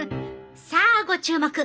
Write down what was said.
さあご注目。